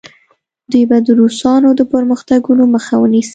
دوی به د روسانو د پرمختګونو مخه ونیسي.